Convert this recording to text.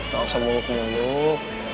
gak usah muluk muluk